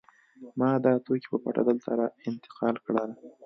ما دا توکي په پټه دلته انتقال کړل